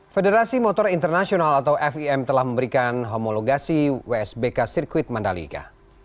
federasi motor internasional atau fim telah memberikan homologasi wsbk sirkuit mandalika